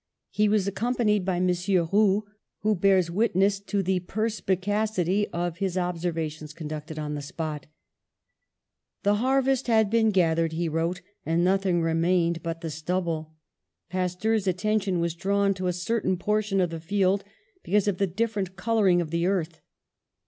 He was accompanied by M. Roux, who bears witness to the perspicacity of his ob servations conducted on the spot: ^The harvest had been gathered," he wrote, "and nothing remained but the stubble. Pas teur's attention was drawn to a certain portion of the field, because of the different colouring of the earth.